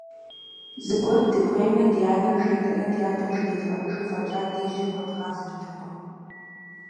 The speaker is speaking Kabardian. Зыгуэр дыхуеймэ, ди анэм жетӀэрэ ди адэм жредгъэӀэжу фӀэкӀа ди жьэ хуэдгъазэртэкъым.